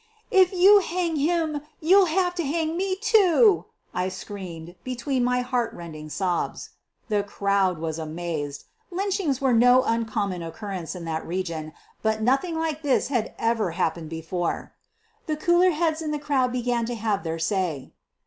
"If you hang him you'll have to hang me, too," I screamed between my heart rending sobs. The crowd was amazed. Lynchings were no un common occurrence in that region, but nothing like this had ever happened before. The cooler heads in the crowd began to have their say.